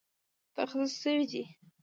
تخصیص شوې دي